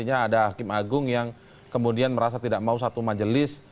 ada hakim agung yang kemudian merasa tidak mau satu majelis